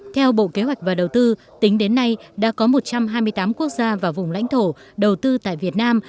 theo bộ kế hoạch và đầu tư tính đến nay đã có một trăm hai mươi tám quốc gia và vùng lãnh thổ đầu tư tại việt nam